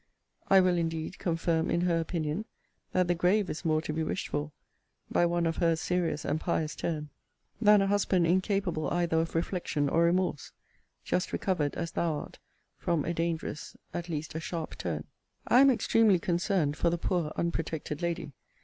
I will, indeed, confirm in her opinion, that the grave is more to be wished for, by one of her serious and pious turn, than a husband incapable either of reflection or remorse; just recovered, as thou art, from a dangerous, at least a sharp turn. I am extremely concerned for the poor unprotected lady.